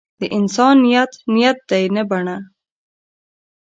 د انسان نیت نیت دی نه بڼه.